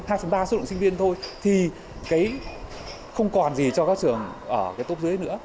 hai phần ba số lượng sinh viên thôi thì không còn gì cho các trường ở cái tốp dưới nữa